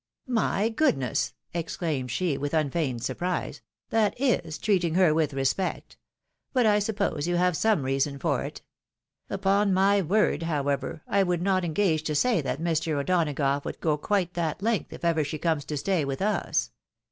"My goodness!" exclaimed she, with unfeigned surprise, " that is treating her with respect ! But I suppose you have some reason for it. Upon my word, however, I would not engage to say that Mr. O'Donagough would go quite that length if ever she comes to stay with us.